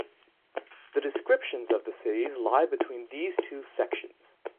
The descriptions of the cities lie between these two sections.